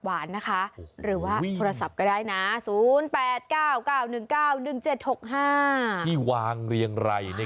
มันเหมือนขนมเปรียบปูน